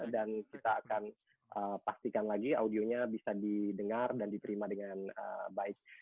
dan kita akan pastikan lagi audionya bisa didengar dan diterima dengan baik